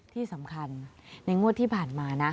ที่สำคัญในงวดที่ผ่านมานะ